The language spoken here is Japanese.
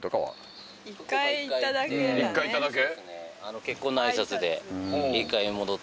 一回行っただけ？